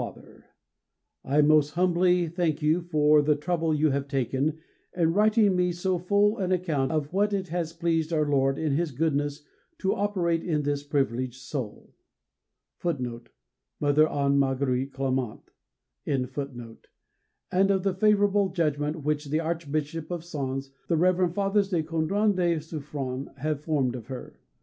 FATHER, I most humbly thank you for the trouble you have taken in writing me so full an account of what it has pleased Our Lord in His goodness to operate in this privileged soul,[A] and of the favourable judgement which the Archbishop of Sens and the Rev. Fathers de Condren and de Suffren have formed of her.